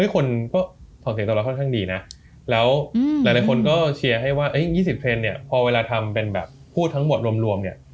คนก็ส่งเสียงต่อเราค่อนข้างดีนะแล้วหลายคนก็เชียร์ให้ว่า๒๐เทรนด์เนี่ยพอเวลาทำเป็นแบบพูดทั้งหมดรวมเนี่ย